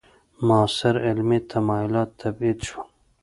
معاصر علمي تمایلات تبعید شول.